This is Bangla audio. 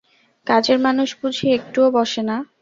কাজের মানুষ বুঝি একটুও বসে না?